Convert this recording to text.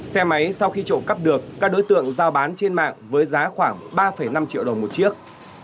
xe máy sau khi trộm cắp được các đối tượng giao bán trên mạng với giá khoảng ba năm triệu đồng một chiếc